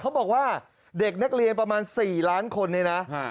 เขาบอกว่าเด็กนักเรียนประมาณ๔ล้านคน